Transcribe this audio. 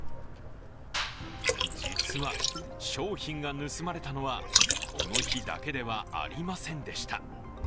実は、商品が盗まれたのはこの日だけではありませんでした。